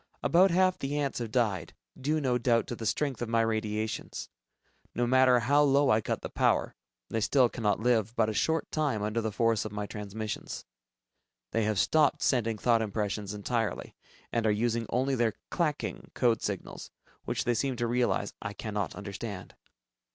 About half the ants have died, due no doubt to the strength of my radiations. No matter how low I cut the power, they still cannot live but a short time under the force of my transmissions. They have stopped sending thought impressions entirely, and are using only their "clacking" code signals, which they seem to realize I cannot understand.